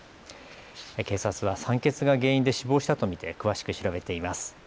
警察は酸欠が原因で死亡したと見て詳しく調べています。